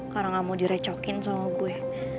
karena gak mau direcokin sama gue